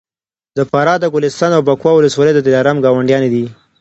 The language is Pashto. د فراه د ګلستان او بکواه ولسوالۍ د دلارام ګاونډیانې دي